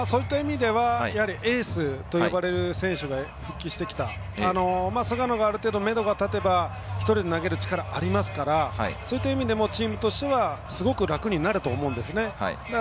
エースと呼ばれる選手が復帰してきた菅野がある程度、めどが立てば１人で投げる力がありますからチームとしてはすごく楽になると思うんですね。